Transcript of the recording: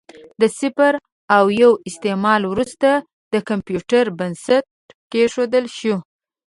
د صفر او یو استعمال وروسته د کمپیوټر بنسټ کېښودل شو.